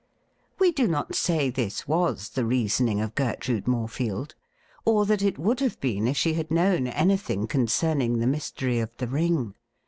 We do not say this was the reasoning of Gertrude Morefield, or that it would have been if she had known anything concerning the mystery of the ring.